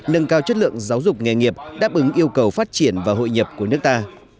nâng cao chất lượng giáo dục nghề nghiệp đáp ứng yêu cầu phát triển và hội nhập của nước ta